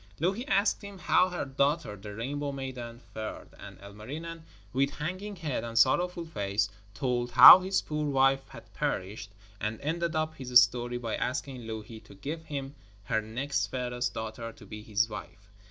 Louhi asked him how her daughter, the Rainbow maiden, fared, and Ilmarinen, with hanging head and sorrowful face, told how his poor wife had perished, and ended up his story by asking Louhi to give him her next fairest daughter to be his wife.